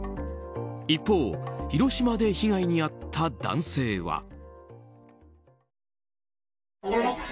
一方、広島で被害に遭った男性は。